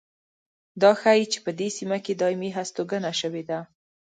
دا ښيي چې په دې سیمه کې دایمي هستوګنه شوې ده.